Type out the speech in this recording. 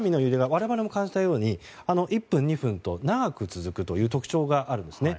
我々も感じたように１分２分と長く続くという特徴があるんですね。